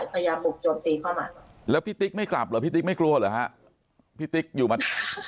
พยายามบุกโจมตีเข้ามาแล้วพี่ติ๊กไม่กลับเหรอพี่ติ๊กไม่กลัวเหรอฮะพี่ติ๊กอยู่มา